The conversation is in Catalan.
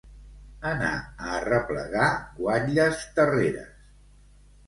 Anar a arreplegar guatlles terreres.